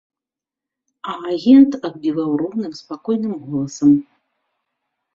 А агент адбіваў роўным спакойным голасам.